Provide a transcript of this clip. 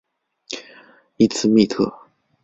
伊兹密特。